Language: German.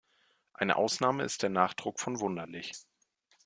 Eine Ausnahme ist der Nachdruck von Wunderlich.